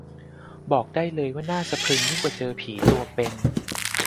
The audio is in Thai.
บอกได้เลยว่าน่าสะพรึงยิ่งกว่าเจอผีตัวเป็น